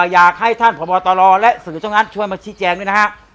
อยากให้ท่านพบตรและสื่อช่องนั้นช่วยมาชี้แจงด้วยนะฮะ